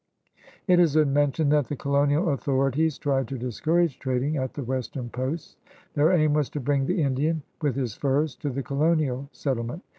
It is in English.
It has been mentioned that the colonial authori ties tried to discourage trading at the western posts. Their aim was to bring the Indian with his furs to the colonial settlement.